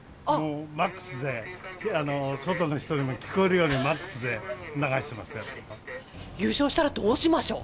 マックスで、外の人にも聞こえるように、優勝したらどうしましょう。